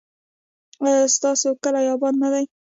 ایا ستاسو کلی اباد نه دی؟